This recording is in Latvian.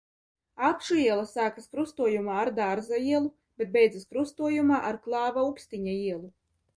Apšu iela sākas krustojumā ar Dārza ielu, bet beidzas krustojumā ar Klāva Ukstiņa ielu.